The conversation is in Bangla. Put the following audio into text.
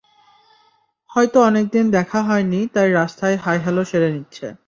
হয়তো অনেক দিন দেখা হয়নি, তাই রাস্তায় হাই হ্যালো সেরে নিচ্ছে।